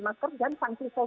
masker dan sanksi sosial